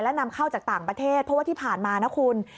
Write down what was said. และนำเข้าจากต่างประเทศเพราะว่าที่ผ่านมานะคุณ